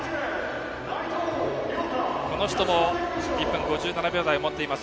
内藤良太も１分５７秒台を持っています。